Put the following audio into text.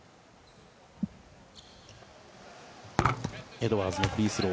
エドワーズのフリースロー